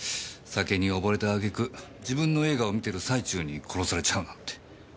酒に溺れた揚げ句自分の映画を観てる最中に殺されちゃうなんて。